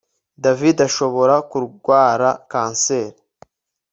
David ashobora kurwara kanseri